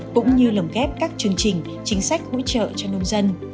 cũng như lồng ghép các chương trình chính sách hỗ trợ cho nông dân